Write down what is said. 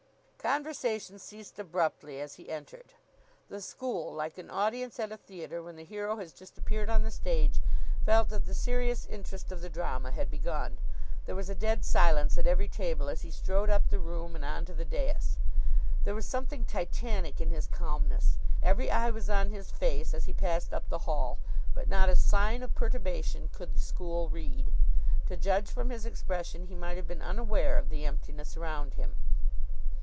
Conversation ceased abruptly as he entered. The school, like an audience at a theatre when the hero has just appeared on the stage, felt that the serious interest of the drama had begun. There was a dead silence at every table as he strode up the room and on to the dais. There was something Titanic in his calmness. Every eye was on his face as he passed up the Hall, but not a sign of perturbation could the school read. To judge from his expression, he might have been unaware of the emptiness around him.